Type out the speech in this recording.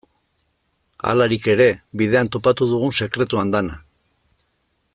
Halarik ere, bidean topatu dugun sekretu andana.